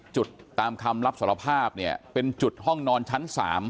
จุดตามคำรับสรภาพเป็นจุดห้องนอนชั้น๓